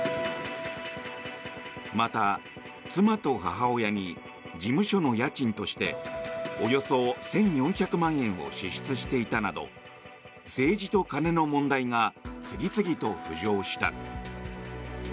また妻と母親に事務所の家賃としておよそ１４００万円を支出していたなど政治と金の問題が次々と浮上した。